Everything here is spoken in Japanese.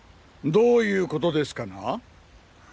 どういう事ですかな？